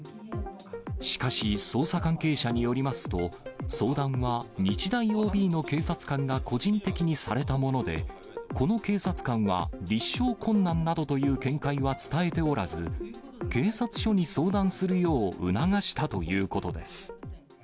しかし、捜査関係者によりますと、相談は、日大ＯＢの警察官が個人的にされたもので、この警察官は立証困難などという見解は伝えておらず、警察署に相談するよう促したということです。